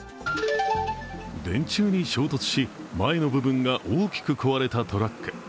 電柱に衝突し、前の部分が大きく壊れたトラック。